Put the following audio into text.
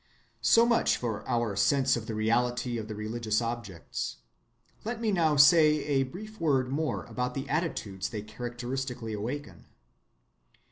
So much for our sense of the reality of the religious objects. Let me now say a brief word more about the attitudes they characteristically awaken.